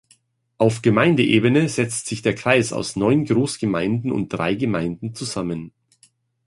Auf Gemeindeebene setzt sich der Kreis aus neun Großgemeinden und drei Gemeinden zusammen.